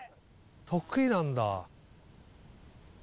得意なんだ。